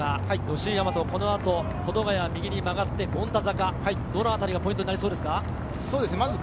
吉居大和、このあと保土ヶ谷を右に曲がって権太坂、どのあたりがポイントになりますか？